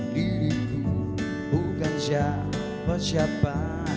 diriku bukan siapa siapa